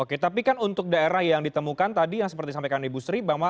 oke tapi kan untuk daerah yang ditemukan tadi yang seperti yang sampaikan ibu sri bang mawar